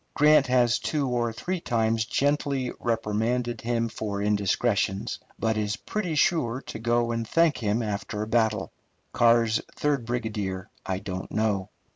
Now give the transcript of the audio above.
Grant has two or three times gently reprimanded him for indiscretions, but is pretty sure to go and thank him after a battle. Carr's third brigadier I don't know.